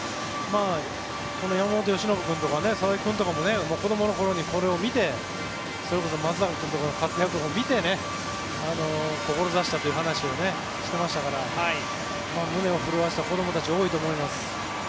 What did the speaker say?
この山本由伸君とか佐々木君とか子どもの頃にこれを見てそれこそ松坂君とかの活躍を見て志したという話をしてましたから胸を震わせた子どもたちは多いと思います。